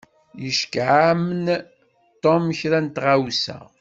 Iceyyeɛ-am-n Tom kra n tɣawsa.